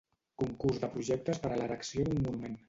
Concurs de projectes per a l'erecció d'un monument.